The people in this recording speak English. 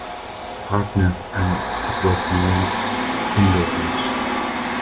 Harkness and it was named Dingo Beach.